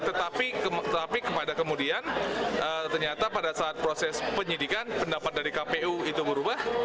tetapi kepada kemudian ternyata pada saat proses penyidikan pendapat dari kpu itu berubah